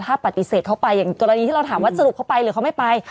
ถ้าปฏิเสธเข้าไปอย่างกรณีที่เราถามว่าสรุปเขาไปหรือเขาไม่ไป